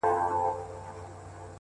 زړه تا دا كيسه شــــــــــروع كــړه-